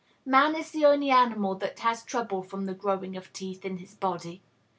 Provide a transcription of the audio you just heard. Man is the only animal that has trouble from the growing of the teeth in his body.